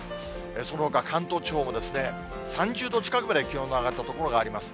そのほか関東地方も、３０度近くまで気温の上がった所があります。